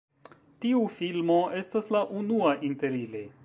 Tiu filmo estas la unua inter ili.